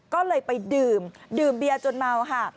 ก็เลยไปดื่มดื่มเบียจนเมาค่ะ